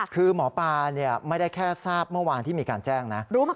คือหมอปลาไม่ได้แค่ทราบเมื่อวานที่มีการแจ้งนะ